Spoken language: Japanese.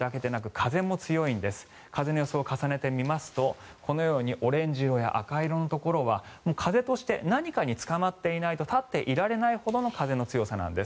風の予想を重ねてみますとこのようにオレンジ色や赤色のところは風として何かにつかまっていないと立っていられないほどの風の強さなんです。